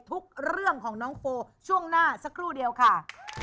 เรื่องของน้องโฟช่วงหน้าสักครู่เดียวค่ะ